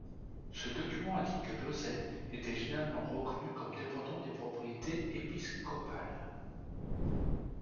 Ce document indique que Losey était généralement reconnu comme dépendant des propriétés épiscopales.